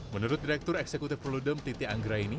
menurut direktur eksekutif perludem titi anggra ini